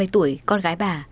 ba mươi tuổi con gái bà